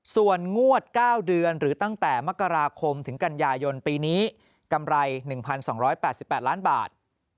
ส่วนงวด๙เดือนหรือตั้งแต่มกราคมถึงกันยายนปีนี้กำไร๑๒๘๘ล้านบาท